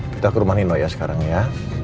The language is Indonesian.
kita ke rumah nino ya sekarang ya